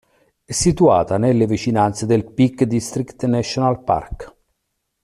È situata nelle vicinanze del Peak District National Park.